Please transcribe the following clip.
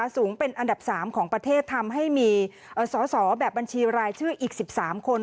สูงเป็นอันดับ๓ของประเทศทำให้มีสอสอแบบบัญชีรายชื่ออีก๑๓คน